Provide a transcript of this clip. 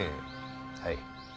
はい。